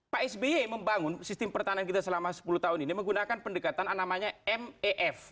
pak sby membangun sistem pertahanan kita selama sepuluh tahun ini menggunakan pendekatan namanya mef